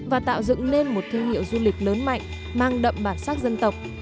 và tạo dựng lên một thương hiệu du lịch lớn mạnh mang đậm bản sắc dân tộc